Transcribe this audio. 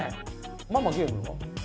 ママゲームは？